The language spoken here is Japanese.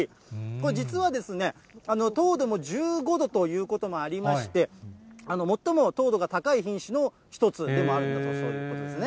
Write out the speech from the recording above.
これ実はですね、糖度も１５度ということもありまして、最も糖度が高い品種の一つでもあるんだそうなんです。